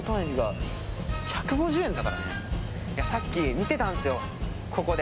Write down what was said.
さっき見てたんですよ、ここで。